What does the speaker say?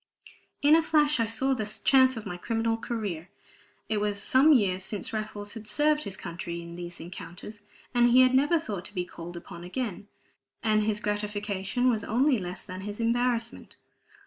In a flash I saw the chance of my criminal career. It was some years since Raffles had served his country in these encounters; he had never thought to be called upon again, and his gratification was only less than his embarrassment.